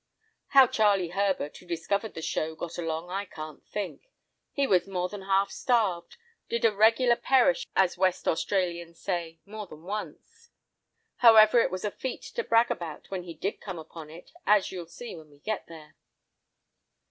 How Charlie Herbert, who discovered the show, got along, I can't think. He was more than half starved, 'did a regular perish,' as West Australians say—more than once. However it was a feat to brag about when he did come upon it, as you'll see when we get there."